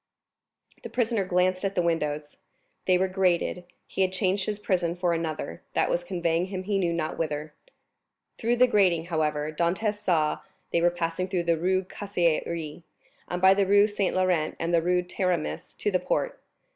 The prisoner glanced at the windows—they were grated; he had changed his prison for another that was conveying him he knew not whither. Through the grating, however, Dantès saw they were passing through the Rue Caisserie, and by the Rue Saint Laurent and the Rue Taramis, to the quay.